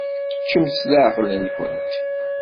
Ččemt s leɛqel-nwent.